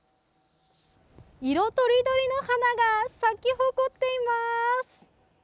色とりどりの花が咲き誇っています。